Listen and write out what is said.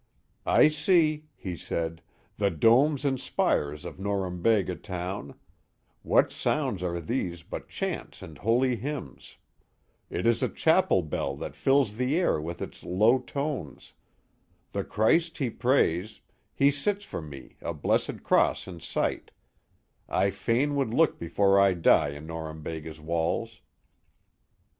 I see, he said, the domes and spires of Norumbega town" — "What sounds are these but chants and holy hymns "—" It is a chapel bell that fills the air with its low tones —" The Christ be praised— He sits for me a blessed cross in sight "—'* I fain would look before I die on Norum bega's walls."